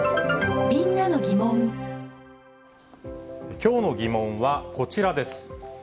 きょうのギモンはこちらです。